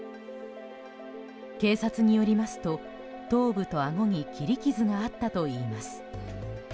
警察によりますと頭部とあごに切り傷があったといいます。